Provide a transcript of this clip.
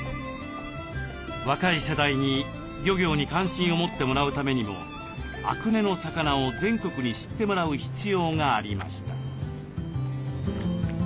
若い世代に漁業に関心を持ってもらうためにも阿久根の魚を全国に知ってもらう必要がありました。